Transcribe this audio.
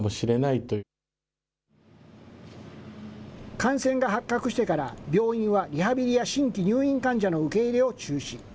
感染が発覚してから、病院はリハビリや新規入院患者の受け入れを中止。